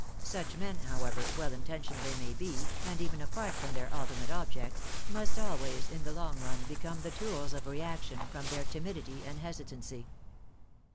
Such men, however well intentioned they may be, and even apart from their ultimate objects, must always in the long run become the tools of reaction from their timidity and hesitancy.